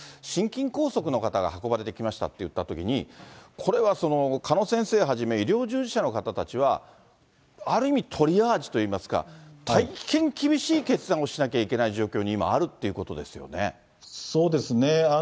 心筋梗塞の方が運ばれてきましたっていったときに、これは鹿野先生はじめ医療従事者の方たちは、ある意味、トリアージといいますか、大変厳しい決断をしなきゃいけない状況に、今、あるっていうことそうですね。